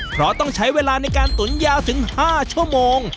เพราะต้องใช้เวลาในการตุ๋นยาวถึง๕ชั่วโมง